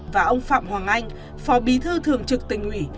và ông phạm hoàng anh phó bí thư thường trực tỉnh ủy